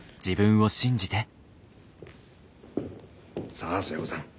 さあ寿恵子さん